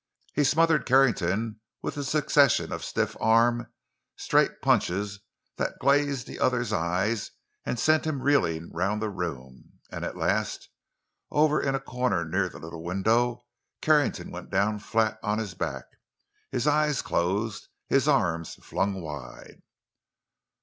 He smothered Carrington with a succession of stiff arm, straight punches that glazed the other's eyes and sent him reeling around the room. And, at last, over in a corner near the little window, Carrington went down flat on his back, his eyes closed, his arms flung wide.